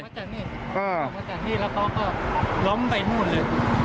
เข้ามาจากนี่แล้วก็ล้อมไปนู่นเลย